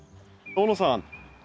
小野さん